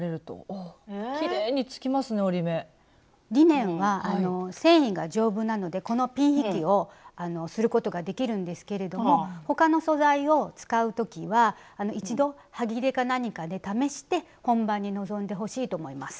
リネンは繊維が丈夫なのでこのピン引きをすることができるんですけれども他の素材を使うときは一度はぎれか何かで試して本番に臨んでほしいと思います。